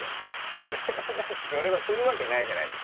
それはないするわけないじゃないですか。